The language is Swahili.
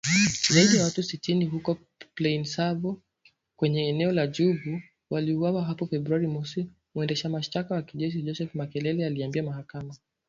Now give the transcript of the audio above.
zaidi ya watu sitini huko Plaine Savo kwenye eneo la Djubu waliuawa hapo Februari mosi mwendesha mashtaka wa kijeshi Joseph Makelele aliiambia mahakama.